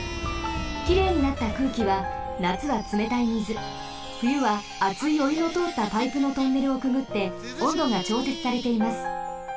きれいになった空気はなつはつめたいみずふゆはあついおゆのとおったパイプのトンネルをくぐっておんどがちょうせつされています。